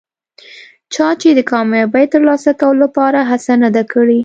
چا چې د کامیابۍ ترلاسه کولو لپاره هڅه نه ده کړي.